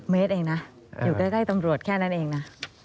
เมตรเองนะอยู่ใกล้ตำรวจแค่นั้นเองนะ